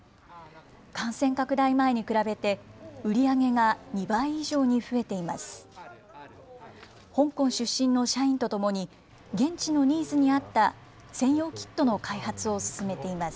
感染拡大前に比べて、売り上げが２倍以上に増えています。